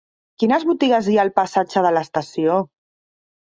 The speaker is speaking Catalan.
Quines botigues hi ha al passatge de l'Estació?